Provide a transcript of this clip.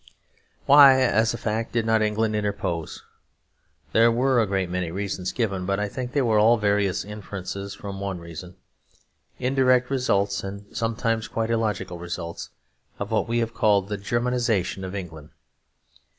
Why, as a fact, did not England interpose? There were a great many reasons given, but I think they were all various inferences from one reason; indirect results and sometimes quite illogical results, of what we have called the Germanisation of England.